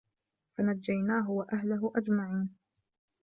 فَنَجَّيناهُ وَأَهلَهُ أَجمَعينَ